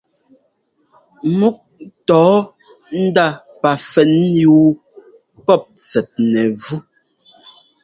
Múk ńtɔ́ɔ ndá pafɛnyúu pɔ́p tsɛt nɛvú.